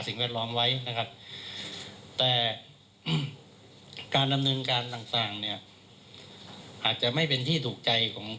สักครู่ค่ะ